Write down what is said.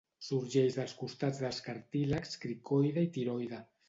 Sorgeix dels costats dels cartílags cricoide i tiroide.